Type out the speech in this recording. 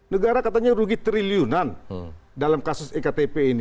negara katanya rugi triliunan dalam kasus ektp ini